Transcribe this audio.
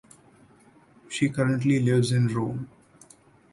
She currently lives in Rome.